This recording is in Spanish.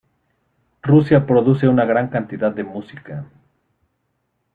Rusia produce una gran cantidad de música.